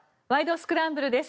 スクランブル」です。